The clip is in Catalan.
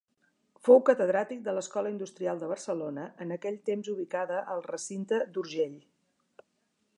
Fou catedràtic de l'Escola Industrial de Barcelona en aquell temps ubicada al recinte d'Urgell.